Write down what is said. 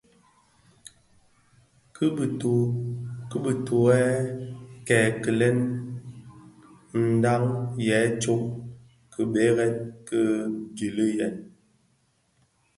Ki bitughe kè kikilèn ndhaň yè ňu a tsok kibèrèn ki gilèn yin,